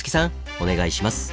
お願いします。